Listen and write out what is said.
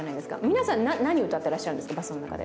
皆さん、何を歌っていらっしゃるんですか、バスの中で。